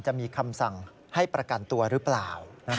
จะมีคำสั่งให้ประกันตัวหรือเปล่า